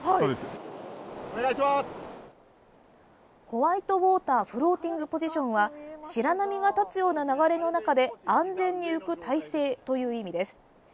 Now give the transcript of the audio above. ホワイトウォーターフローティングポジションは白波が立つような流れの中で安全に浮く体勢という意味です。